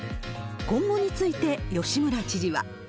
今後について吉村知事は。